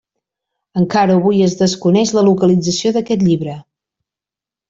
Encara avui es desconeix la localització d'aquest llibre.